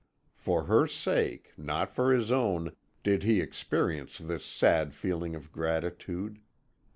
For her sake, not for his own, did he experience this sad feeling of gratitude.